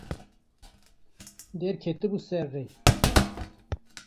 Derketibû ser rê.